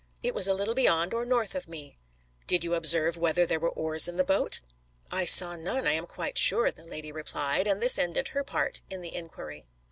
It was a little beyond, or north of me." "Did you observe whether there were oars in the boat?" "I saw none, I am quite sure," the lady replied, and this ended her part in the inquiry.